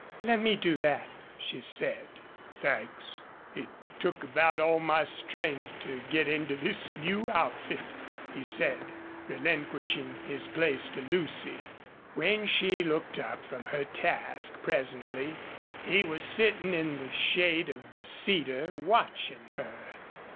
"Let me do that," she said. "Thanks. It took about all my strength to get into this new outfit," he said, relinquishing, his place to Lucy. When she looked up from her task, presently, he was sitting in the shade of the cedar, watching her.